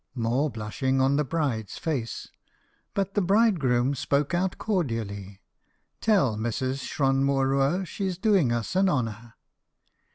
More blushing on the bride's face, but the bridegroom spoke out cordially, "Tell Mrs. Shron Mor Rua she's doing us an honour."